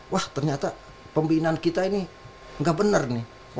wah ternyata pembinan kita ini nggak bener nih